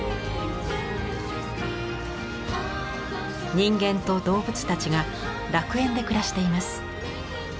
人間と動物たちが楽園で暮らしています。